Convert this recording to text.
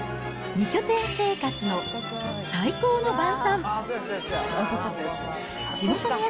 ２拠点生活の最高の晩餐。